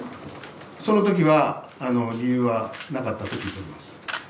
そのときは、理由はなかったと聞いております。